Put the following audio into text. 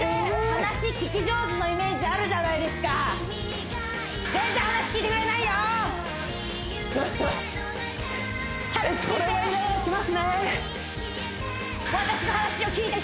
話聞き上手のイメージあるじゃないですか話聞いて！